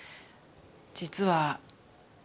実は。